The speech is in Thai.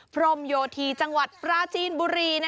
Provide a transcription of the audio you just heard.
พรมโยธีจังหวัดปราจีนบุรี